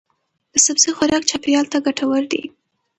د سبزی خوراک چاپیریال ته ګټور دی.